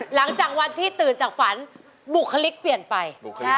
หลังจากวันที่ตื่นจากฝันบุคลิกเปลี่ยนไป